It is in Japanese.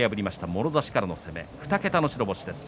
もろ差しからの攻め２桁の白星です。